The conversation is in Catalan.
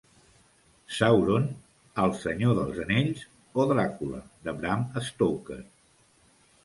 Sauron al "Senyor dels Anells" o "Dràcula" de Bram Stoker.